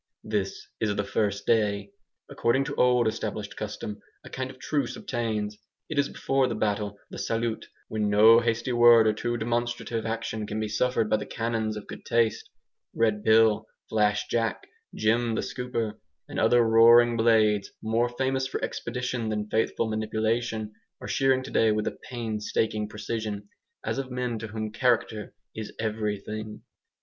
This is the first day. According to old established custom, a kind of truce obtains. It is before the battle, the "salut," when no hasty word or too demonstrative action can be suffered by the canons of good taste. Red Bill, Flash Jack, Jem the Scooper, and other roaring blades, more famous for expedition than faithful manipulation, are shearing today with a painstaking precision, as of men to whom character is everything.